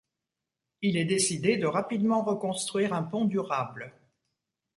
Il est décidé de rapidement reconstruire un pont durable.